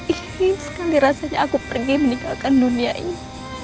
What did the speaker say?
ingin sekali rasanya aku pergi meninggalkan dunia ini